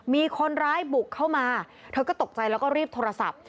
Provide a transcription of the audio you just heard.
มีคนร้ายบุกเข้ามาเธอก็ตกใจแล้วก็รีบโทรศัพท์